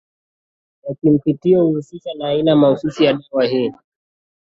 ya kimpito huihusisha na aina mahususi ya dawa ili